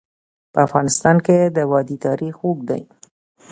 په افغانستان کې د وادي تاریخ اوږد دی.